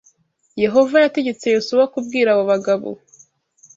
Yehova yategetse Yosuwa kubwira abo abagabo